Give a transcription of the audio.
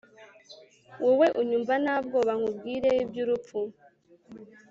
Wowe unyumva nta bwoba nkubwira ibyurupfu